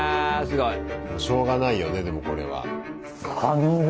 すごい。しょうがないよねでもこれは。